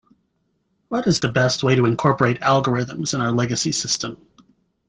What is the best way to incorporate algorithms in our legacy system?